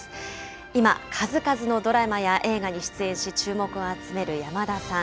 今、数々のドラマや映画に出演し、注目を集める山田さん。